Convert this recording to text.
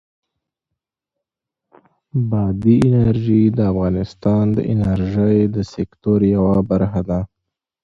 بادي انرژي د افغانستان د انرژۍ د سکتور یوه برخه ده.